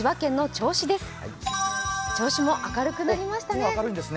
銚子も明るくなりましたね。